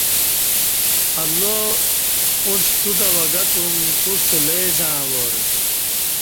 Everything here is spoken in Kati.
اللہ اُݩڅ توتہ وگہ تُم توستہ لے زعݩہ وار